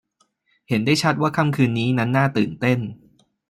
เห็นได้ชัดว่าค่ำคืนนี้นั้นน่าตื่นเต้น